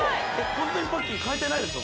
ホントにパッキンかえてないですか